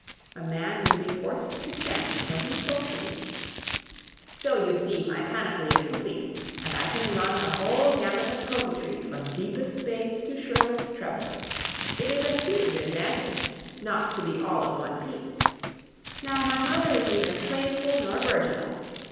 A man would be forced to chant when he spoke to me. So, you see, my panoply is complete, and I can run the whole gamut of coquetry from deepest bass to shrillest treble. It is a huge advantage not to be all of one piece. Now, my mother is neither playful nor virginal.